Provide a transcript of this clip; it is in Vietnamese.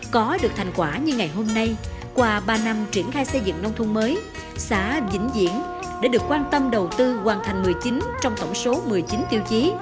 có được thành quả như ngày hôm nay qua ba năm triển khai xây dựng nông thôn mới xã vĩnh diễn đã được quan tâm đầu tư hoàn thành một mươi chín trong tổng số một mươi chín tiêu chí